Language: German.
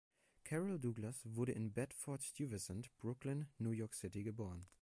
Carol Douglas wurde in Bedford-Stuyvesant, Brooklyn, New York City, geboren.